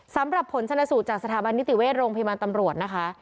สำหรับผลชนสูตรจากสถาบันนิติเวชโรงพยาบาลตำรวจนะคะ